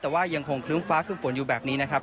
แต่ว่ายังคงครึ้มฟ้าครึ่มฝนอยู่แบบนี้นะครับ